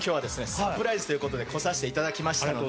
サプライズという事で来させて頂きましたので。